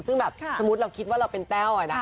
ซึ่งแบบสมมุติเราคิดว่าเราเป็นแต้วนะ